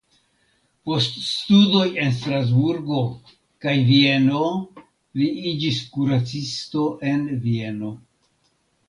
Post studoj en Strasburgo kaj Vieno li iĝis kuracisto en Vieno.